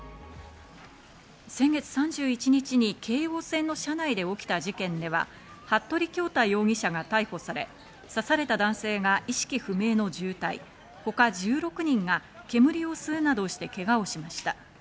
先月３１日に京王線の車内で起きた事件では、服部恭太容疑者が逮捕され、刺された男性が意識不明の重体、ほか１６人が煙を吸うなどしてけがをしました。